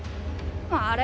あれ？